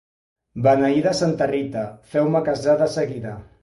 Beneïda Santa Rita, feu-me casar de seguida.